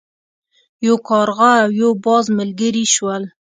یو کارغه او یو باز ملګري شول.